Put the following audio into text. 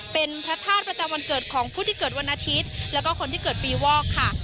เป็นพระธาตุประจำวันเกิดของผู้ที่เกิดวันอาทิตย์แล้วก็คนที่เกิดปีวอกค่ะ